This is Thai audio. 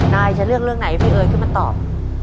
นายจะเลือกเรื่องไหนให้พี่เอ๋ยขึ้นมาตอบ